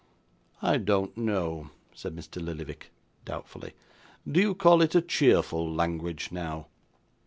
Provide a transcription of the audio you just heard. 'I don't know,' said Mr. Lillyvick, doubtfully. 'Do you call it a cheerful language, now?